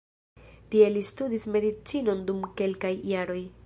Tie li studis medicinon dum kelkaj jaroj.